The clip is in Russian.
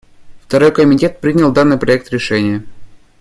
Второй комитет принял данный проект решения.